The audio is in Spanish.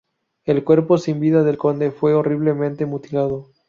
El cuerpo sin vida del conde fue horriblemente mutilado.